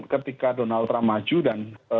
ketika donald trump maju dan